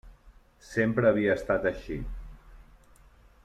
Sempre havia estat així.